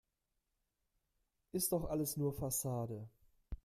Ist doch alles nur Fassade.